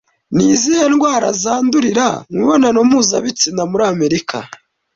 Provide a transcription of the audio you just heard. Ni izihe ndwara zandurira mu mibonano mpuzabitsina muri Amerika